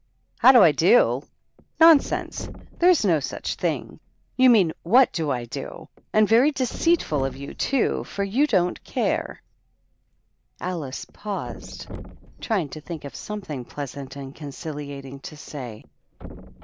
" How do I do? Nonsense I There is no such thing I You mean, what do I do? And very deceitful of you, too, for you don't care." Alice paused, trying to think of something pleasant and conciliating to say.